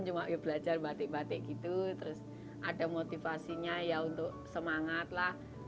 cuma belajar batik batik gitu terus ada motivasinya ya untuk semangat lah